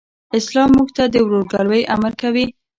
اسلام موږ ته د ورورګلوئ امر کوي.